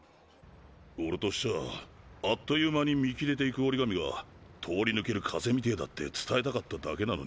俺としちゃあっという間に見切れていく折紙が通り抜ける風みてぇだって伝えたかっただけなのに。